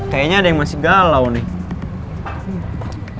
kayaknya ada yang masih galau nih